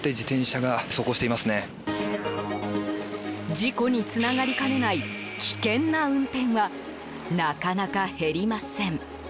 事故につながりかねない危険な運転はなかなか減りません。